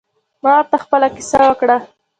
ما ورته خپله کیسه وکړه.